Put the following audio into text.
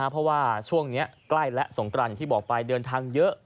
เพราะว่าช่วงนี้ใกล้และสงกรานอย่างที่บอกไปเดินทางเยอะ